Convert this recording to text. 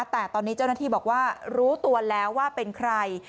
แต่ตอนนี้เจ้าหน้าที่บอกว่ารู้ตัวแล้วว่าเป็นใคร